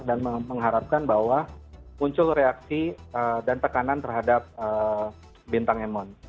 dan mengharapkan bahwa muncul reaksi dan tekanan terhadap bintang emon